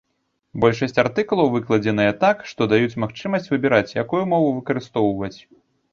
Большасць артыкулаў выкладзеныя так, што даюць магчымасць выбіраць, якую мову выкарыстоўваць.